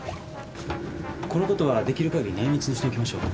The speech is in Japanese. このことはできる限り内密にしておきましょう。